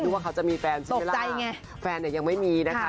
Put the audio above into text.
นึกว่าเขาจะมีแฟนจริงแฟนเนี่ยยังไม่มีนะคะ